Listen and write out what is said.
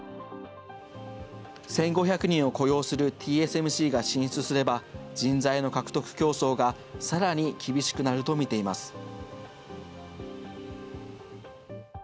１５００人を雇用するＴＳＭＣが進出すれば、人材の獲得競争が、さらに厳しくなると見ています。